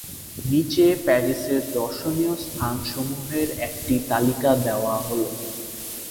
নিচে প্যারিসের দর্শনীয় স্থানসমূহের একটি তালিকা দেওয়া হল।